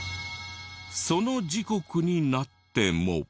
その時刻になっても。